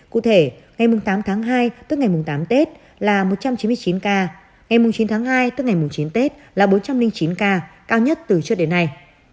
cụ thể ngày tám tháng hai tức ngày tám tết là một trăm chín mươi chín ca ngày chín tháng hai tức ngày chín tết là bốn trăm linh chín ca cao nhất từ trước đến nay